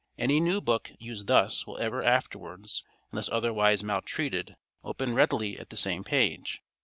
Any new book used thus will ever afterwards, unless otherwise maltreated, open readily at the same page.